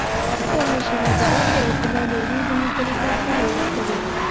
دا حشره د باد په وسیله له یوې ونې بلې ته سرایت کوي.